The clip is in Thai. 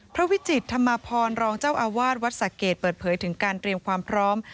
วิจิตธรรมพรรองเจ้าอาวาสวัดสะเกดเปิดเผยถึงการเตรียมความพร้อม